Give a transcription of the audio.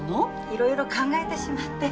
いろいろ考えてしまって。